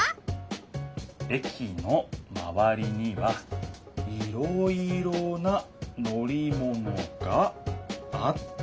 「駅のまわりにはいろいろな乗り物があった」。